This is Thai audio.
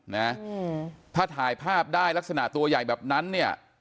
นะอืมถ้าถ่ายภาพได้ลักษณะตัวใหญ่แบบนั้นเนี่ย